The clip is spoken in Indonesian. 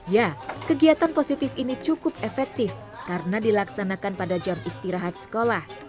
ya kegiatan positif ini cukup efektif karena dilaksanakan pada jam istirahat sekolah